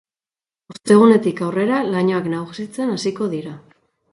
Ostegunetik aurrera lainoak nagusitzen hasiko dira.